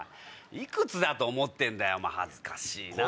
いくつだと思ってんだよ恥ずかしいなぁ。